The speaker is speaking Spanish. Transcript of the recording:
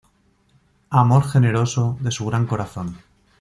Amor generoso de su gran corazón.